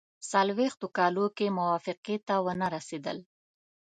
څلوېښتو کالو کې موافقې ته ونه رسېدل.